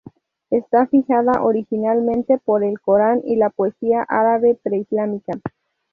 Está fijada originalmente por el Corán y la poesía árabe preislámica.